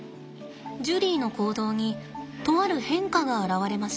ジュリーの行動にとある変化が現れました。